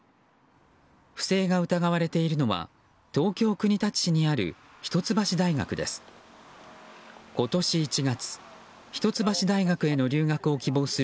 不正が疑われているのは東京・国立市にある一橋大学です。